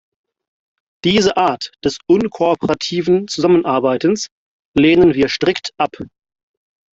Diese Art des unkooperativen Zusammenarbeitens lehnen wir strikt ab.